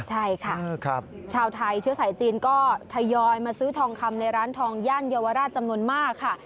ใช่ค่ะชาวไทยเชื้อสายจีนก็ทยอยมาซื้อทองคำในร้านทองย่านเยาวราชจำนวนมากค่ะ